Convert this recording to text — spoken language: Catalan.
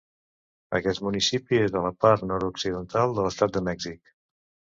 Aquest municipi és a la part nord-occidental de l'estat de Mèxic.